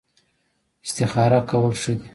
استخاره کول ښه دي